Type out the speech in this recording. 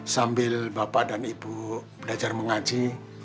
sambil bapak dan ibu belajar mengaji